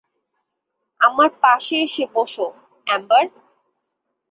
আমার পাশে এসে বসো, এম্বার?